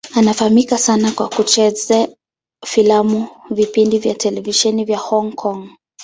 Anafahamika sana kwa kucheza filamu na vipindi vya televisheni vya Hong Kong.